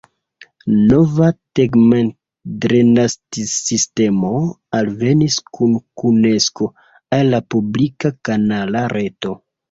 Nova tegmentdrenadsistemo alvenis kun konekso al la publika kanala reto.